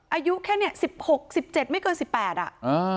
อายุแค่เนี้ยสิบหกสิบเจ็ดไม่เกินสิบแปดอ่ะอ่า